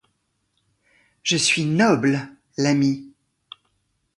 Je suis noble, l'ami.